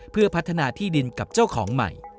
เพื่อพัฒนาที่ดินกับเจ้าของใหม่